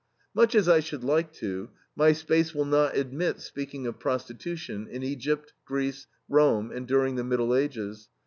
Much as I should like to, my space will not admit speaking of prostitution in Egypt, Greece, Rome, and during the Middle Ages.